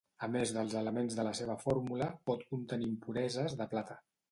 A més dels elements de la seva fórmula, pot contenir impureses de plata.